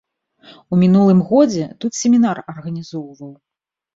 У мінулым годзе тут семінар арганізоўваў.